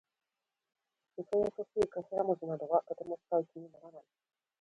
よそよそしい頭文字などはとても使う気にならない。